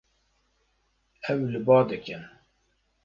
Ew li ba dikin.